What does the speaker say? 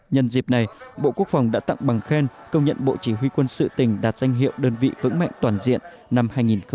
nhân dịp này bộ quốc phòng đã tặng bằng khen công nhận bộ chỉ huy quân sự tỉnh đạt danh hiệu đơn vị vững mạnh toàn diện năm hai nghìn một mươi tám